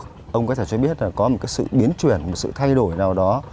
ông có thể cho biết là có một cái sự biến chuyển một sự thay đổi nào đó